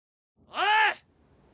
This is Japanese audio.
おい！